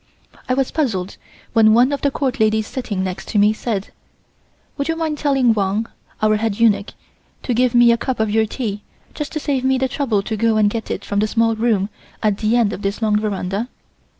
I was puzzled when one of the Court ladies sitting next to me said: "Would you mind telling Wang (our head eunuch) to give me a cup of your tea, just to save me the trouble to go and get it from the small room at the end of this long veranda?"